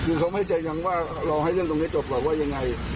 คือเขาไม่ใจยังว่ารอให้เรื่องตรงนี้จบหรอกว่ายังไง